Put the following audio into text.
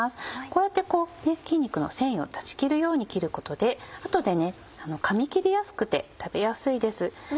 こうやって筋肉の繊維を断ち切るように切ることで後でかみ切りやすくて食べやすいです。